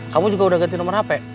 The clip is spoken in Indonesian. kamu juga udah ganti nomor hp